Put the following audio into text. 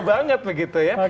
ya seru banget begitu ya